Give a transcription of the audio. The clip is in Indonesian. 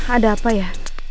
ada apa ya